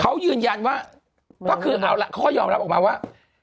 เขายืนยันว่าเขาก็ยอมรับออกมาว่า